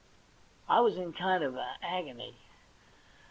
' I was in a kind of agony.